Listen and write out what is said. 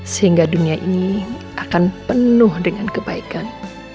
sehingga dunia ini akan penuh dengan kebaikan